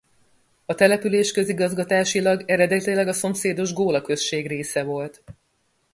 A település közigazgatásilag eredetileg a szomszédos Góla község része volt.